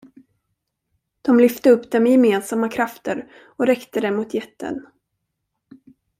De lyfte upp det med gemensamma krafter och räckte det mot jätten.